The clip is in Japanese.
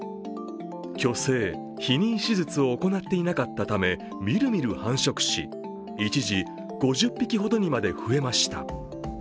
去勢・避妊手術を行っていなかったためみるみる繁殖し、一時、５０匹ほどにまで増えました。